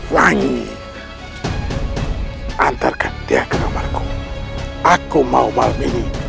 wangi antarkan dia ke kamarko aku mau malam ini